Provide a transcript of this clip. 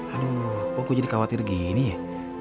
aduh kok gue jadi khawatir gini ya